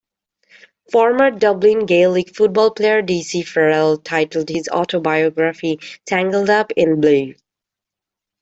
Former Dublin Gaelic Football player Dessie Farrell titled his autobiography "Tangled Up in Blue".